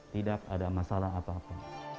tidak ada masalah apa apa